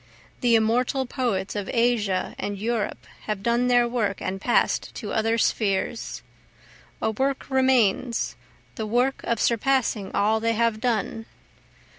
The immortal poets of Asia and Europe have done their work and pass'd to other spheres, A work remains, the work of surpassing all they have done.